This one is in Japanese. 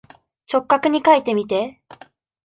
直角にかいてみて。